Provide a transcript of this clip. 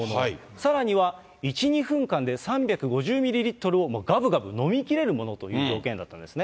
さらには１、２分間で３５０ミリリットルをがぶがぶ飲みきれるものという条件だったんですね。